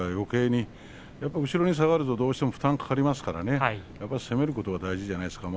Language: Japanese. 後ろに下がると負担がかかりますから、攻めることが大事なんじゃないですか